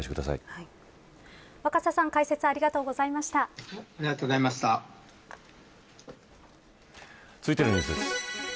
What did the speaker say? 若狭さん続いてのニュースです。